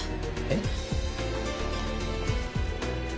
えっ？